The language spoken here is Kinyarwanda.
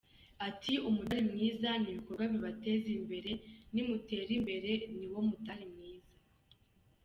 Ati“Umudali mwiza ni ibikorwa bibateza imbere, nimutera imbere niwo mudali mwiza.